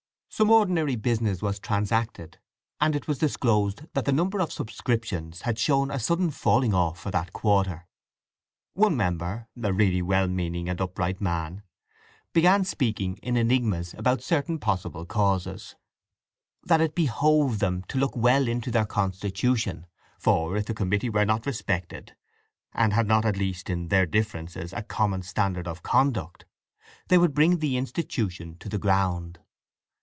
Some ordinary business was transacted, and it was disclosed that the number of subscriptions had shown a sudden falling off for that quarter. One member—a really well meaning and upright man—began speaking in enigmas about certain possible causes: that it behoved them to look well into their constitution; for if the committee were not respected, and had not at least, in their differences, a common standard of conduct, they would bring the institution to the ground.